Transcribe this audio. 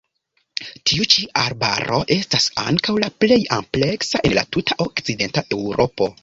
Tiu ĉi arbaro estas ankaŭ la plej ampleksa el la tuta okcidenta Eŭropo.